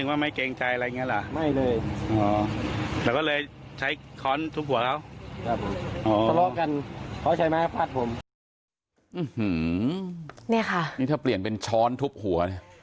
นี่ถ้าเปลี่ยนเป็นช้อนทุบหัว